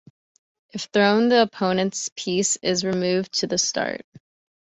If thrown, the opponent's piece is removed to the start.